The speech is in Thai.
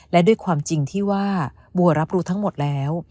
และด้วยความจริงที่ว่าบัวรับรู้ทั้งหมดแล้ว